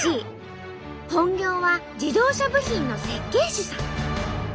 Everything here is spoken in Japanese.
本業は自動車部品の設計士さん。